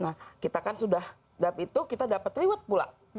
nah kita kan sudah dap itu kita dapat reward pula